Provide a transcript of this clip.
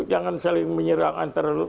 jangan saling menyerang antara